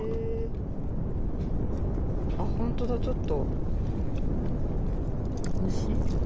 あっホントだちょっと。